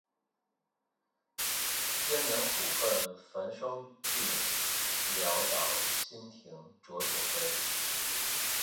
艰难苦恨繁霜鬓，潦倒新停浊酒杯